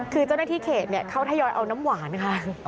คือเจ้าหน้าที่เขตเขาทยอยเอาน้ำหวานค่ะ